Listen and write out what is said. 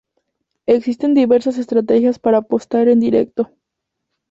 Existen diversas estrategias para apostar en directo.